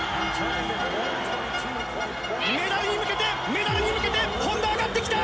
メダルに向けてメダルに向けて本多上がってきた！